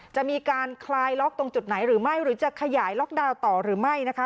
จะมีการคลายล็อกตรงจุดไหนหรือไม่หรือจะขยายล็อกดาวน์ต่อหรือไม่นะคะ